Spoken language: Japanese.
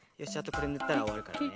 これぬったらおわるからね。